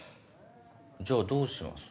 じゃあどうします？